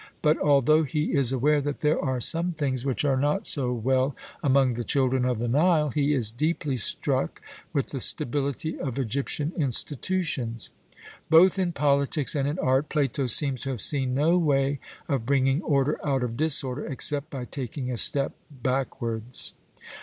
But although he is aware that there are some things which are not so well among 'the children of the Nile,' he is deeply struck with the stability of Egyptian institutions. Both in politics and in art Plato seems to have seen no way of bringing order out of disorder, except by taking a step backwards.